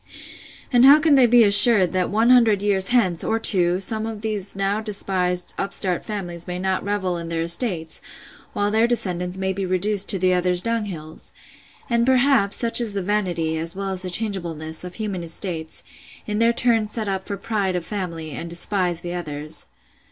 —And how can they be assured, that one hundred years hence, or two, some of those now despised upstart families may not revel in their estates, while their descendants may be reduced to the others' dunghills!—And, perhaps, such is the vanity, as well as changeableness, of human estates, in their turns set up for pride of family, and despise the others!